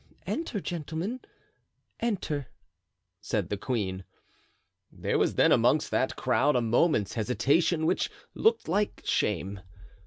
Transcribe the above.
"Enter, gentlemen, enter," said the queen. There was then amongst that crowd a moment's hesitation, which looked like shame.